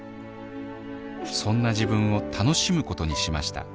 そんな自分を楽しむことにしました。